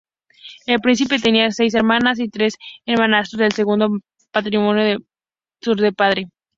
El Príncipe tenía seis hermanas y tres hermanastros del segundo matrimonio de su padre.